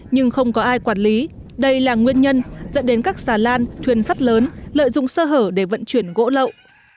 nhưng không có ai quản lý đây là nguyên nhân dẫn đến các xà lan thuyền sắt lớn lợi dụng sơ hở để vận chuyển gỗ lậu